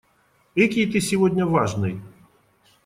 Экий ты сегодня важный!